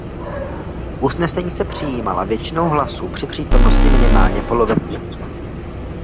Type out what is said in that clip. Usnesení se přijímala většinou hlasů při přítomnosti minimálně poloviny všech členů.